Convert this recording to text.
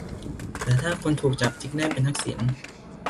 แต่ถ้าคนถูกจับทริกได้เป็นทักษิณ